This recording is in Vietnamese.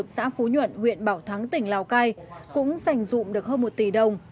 xã phú nhuận huyện bảo thắng tỉnh lào cai cũng dành dụng được hơn một tỷ đồng